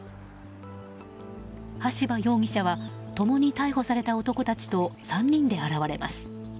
橋場容疑者は共に逮捕された男たちと３人で現れます。